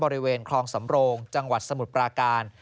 บริเวณคลองสำโรงจังหวัดสมุทรปราการ